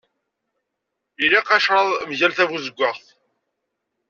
Ilaq ucraḍ mgal tabuzeggaɣt.